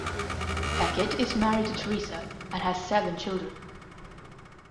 Peckett is married to Teresa and has seven children.